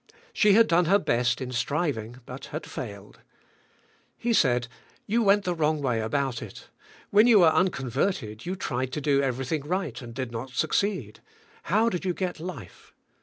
She had done her best in striving but had failed. He said, * 'You went the wrong way about it. When you were unconverted you tried to do everything right and did not succeed. How did you get life?